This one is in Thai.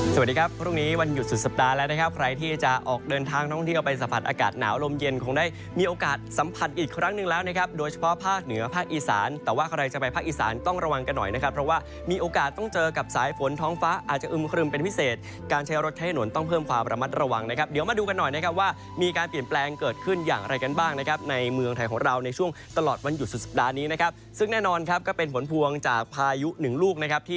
สวัสดีครับพรุ่งนี้วันหยุดสุดสัปดาห์แล้วนะครับใครที่จะออกเดินทางท่องที่เอาไปสะพัดอากาศหนาวลมเย็นคงได้มีโอกาสสัมผัสอีกครั้งหนึ่งแล้วนะครับโดยเฉพาะภาคเหนือภาคอีสานแต่ว่าใครจะไปภาคอีสานต้องระวังกันหน่อยนะครับเพราะว่ามีโอกาสต้องเจอกับสายฝนท้องฟ้าอาจจะอึมคลึมเป็นพิเศษก